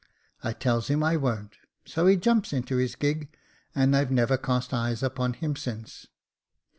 I tells him I won't, so he jumps into his gig, and I've never cast eyes upon him since.